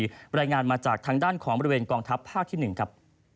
รายงานมาจากทางด้านของบริเวณกองทัพภาคที่๑ครับ